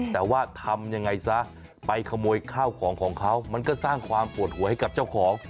แต่ว่าทำยังไงซะไปขโมยข้าวของของเขามันก็สร้างความปวดหัวให้กับเจ้าของ